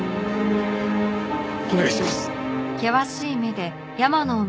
お願いします！